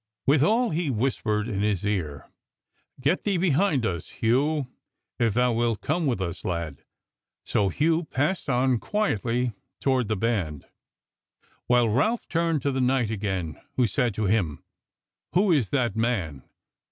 Withal he whispered in his ear: "Get thee behind us, Hugh, if thou wilt come with us, lad." So Hugh passed on quietly toward the band, while Ralph turned to the knight again, who said to him, "Who is that man?"